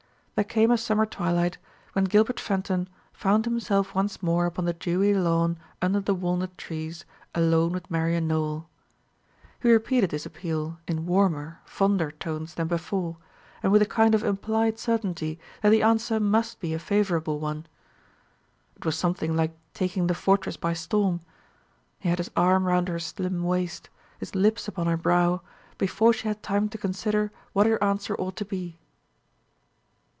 There came a summer twilight, when Gilbert Fenton found himself once more upon the dewy lawn under the walnut trees alone with Marian Nowell. He repeated his appeal in warmer, fonder tones than before, and with a kind of implied certainty that the answer must be a favourable one. It was something like taking the fortress by storm. He had his arm round her slim waist, his lips upon her brow, before she had time to consider what her answer ought to be.